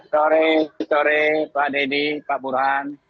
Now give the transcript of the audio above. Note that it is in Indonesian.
sore sore pak deddy pak burhan